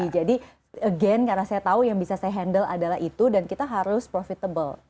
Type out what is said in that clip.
jadi again karena saya tahu yang bisa saya handle adalah itu dan kita harus profitable